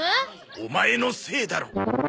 オマエのせいだろ。